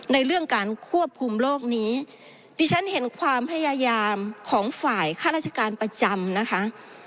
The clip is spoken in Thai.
ในเรื่องการควบคุมโรคนี้ดิฉันเห็นความพยายามของฝ่ายค่าราชการประจำนะคะ